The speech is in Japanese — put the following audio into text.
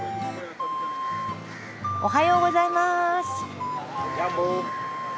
おはようございます。